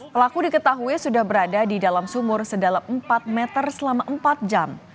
pelaku diketahui sudah berada di dalam sumur sedalam empat meter selama empat jam